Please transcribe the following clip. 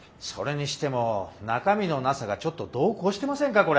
それにしても中身のなさがちょっと度を越してませんか？